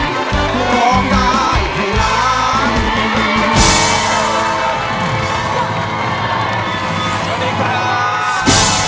สวัสดีครับ